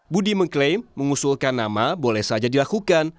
budi mengklaim mengusulkan nama boleh saja dilakukan